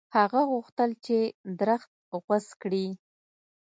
هغه غوښتل چې درخت غوڅ کړي.